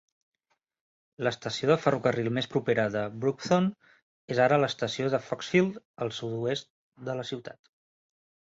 L'estació de ferrocarril més propera de Broughton és ara l'estació de Foxfield, al sud-oest de la ciutat.